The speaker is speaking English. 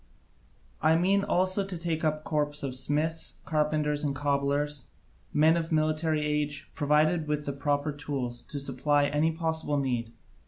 I mean also to take a corps of smiths, carpenters, and cobblers, men of military age, provided with the proper tools, to supply any possible need.